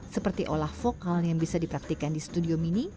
seperti olah vokal yang bisa dipraktikan di studio mini